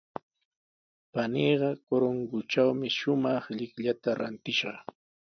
Paniiqa Corongotrawmi shumaq llikllata rantishqa.